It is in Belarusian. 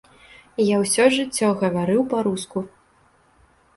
Я ўсё жыццё гаварыў па-руску.